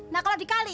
nah kalau dikali